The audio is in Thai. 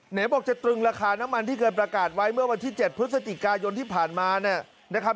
ไหนบอกจะตรึงราคาน้ำมันที่เคยประกาศไว้เมื่อวันที่๗พฤศจิกายนที่ผ่านมาเนี่ยนะครับ